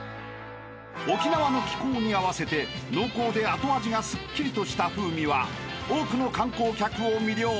［沖縄の気候に合わせて濃厚で後味がすっきりとした風味は多くの観光客を魅了］